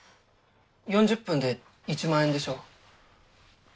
４０分で１万円でしょ？